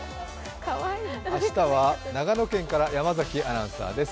明日は長野県から山崎アナウンサーです。